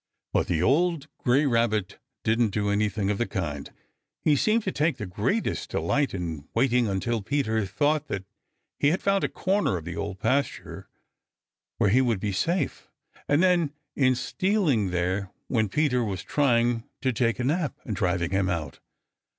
But the old gray Rabbit didn't do anything of the kind. He seemed to take the greatest delight in waiting until Peter thought that he had found a corner of the Old Pasture where he would be safe, and then in stealing there when Peter was trying to take a nap, and driving him out.